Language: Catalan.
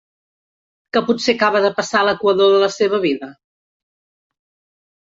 ¿Que potser acaba de passar l'equador de la seva vida?